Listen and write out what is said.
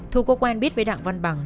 thu có quen biết với đặng văn bằng